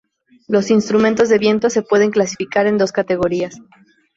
Los instrumentos de viento se pueden clasificar en dos categorías.